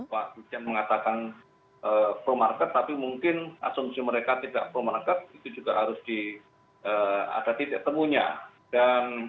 pak agung mengatakan pro market tapi mungkin asumsi mereka tidak pro market itu juga harus diadati ketemunya